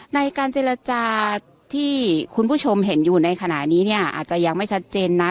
ในการเจรจาที่คุณผู้ชมเห็นอยู่ในขณะนี้เนี่ยอาจจะยังไม่ชัดเจนนะ